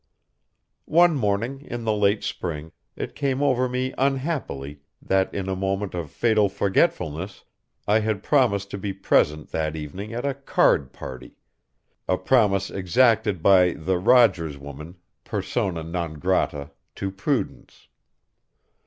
One morning, in the late spring, it came over me unhappily that in a moment of fatal forgetfulness I had promised to be present that evening at a card party a promise exacted by the "Rogers woman," persona non grata to Prudence.